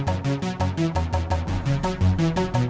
semarang semarang semarang